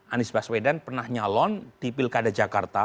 anies baswedan pernah nyalon di pilkada jakarta